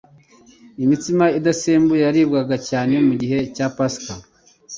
imitsima idasembuye yaribwaga cyane mugihe cya pasika